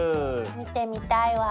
見てみたいわ。